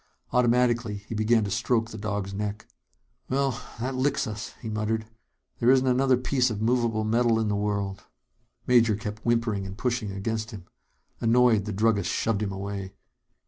Automatically, he began to stroke the dog's neck. "Well, that licks us," he muttered. "There isn't another piece of movable metal in the world." Major kept whimpering and pushing against him. Annoyed, the druggist shoved him away.